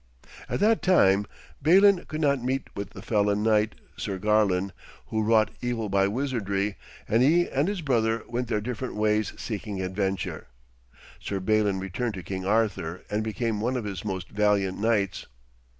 At that time Balin could not meet with the felon knight, Sir Garlon, who wrought evil by wizardry, and he and his brother went their different ways seeking adventure. Sir Balin returned to King Arthur and became one of his most valiant knights.